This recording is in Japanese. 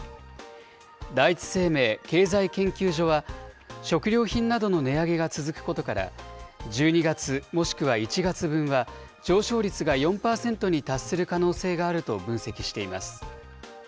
第一生命経済研究所は、食料品などの値上げが続くことから、１２月もしくは１月分は、上昇率が４％に達する可能性があると分析しています。